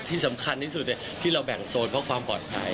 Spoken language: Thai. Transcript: ที่สำคัญที่สุดที่เราแบ่งโซนเพื่อความปลอดภัย